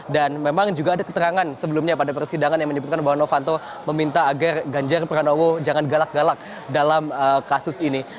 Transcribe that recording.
dan memang juga ada keterangan sebelumnya pada persidangan yang menyebutkan bahwa novanto meminta agar ganjar pranowo jangan galak galak dalam kasus ini